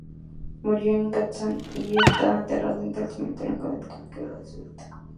Murió en Kazan y está enterrado en el cementerio católico de la ciudad.